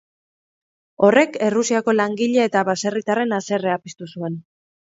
Horrek, Errusiako langile eta baserritarren haserrea piztu zuen.